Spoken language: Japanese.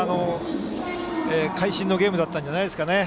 会心のゲームだったんじゃないですかね。